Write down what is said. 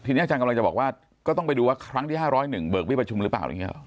ทีนี้อาจารย์กำลังจะบอกว่าก็ต้องไปดูว่าครั้งที่๕๐๑เบิกเบี้ยประชุมหรือเปล่า